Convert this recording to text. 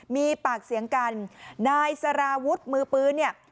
มีปากเสียงกันนายสารวุฒิมือปืนเนี่ย